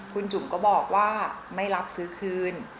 คุณจุ๋มก็บอกว่าไม่รับซื้อคืน